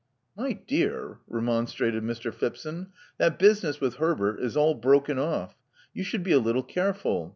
My dear," remonstrated Mr. Phipson: "that business with Herbert is all broken off. You should be a little careful.